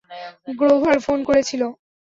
Grover phone করেছিল।